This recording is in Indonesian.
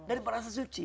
dan merasa suci